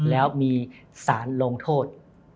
แล้วมีสารลงโทษ